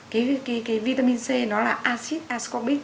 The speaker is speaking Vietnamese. cái vitamin c nó là acid ascorbic